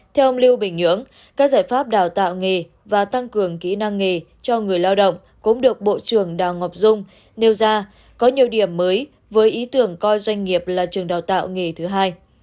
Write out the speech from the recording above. theo ông lưu bình nhưỡng các giải pháp đào tạo nghề và tăng cường kỹ năng nghề cho người lao động cũng được bộ trưởng đào ngọc dung nêu ra có nhiều điểm mới với ý tưởng coi doanh nghiệp là trường đào tạo nghề thứ hai